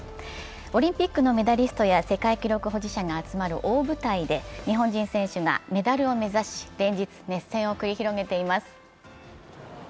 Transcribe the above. オリンピックのメダリストや世界記録保持者が集まる大舞台で大舞台で日本人選手がメダルを目指し、連日、熱戦を繰り広げています。